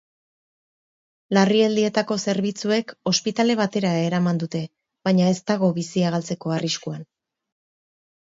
Larrialdietako zerbitzuek ospitale batera eraman dute, baina ez dago bizia galtzeko arriskuan.